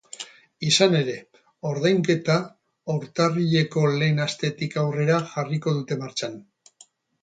Izan ere, ordainketa urtarrileko lehen astetik aurrera jarriko dute martxan.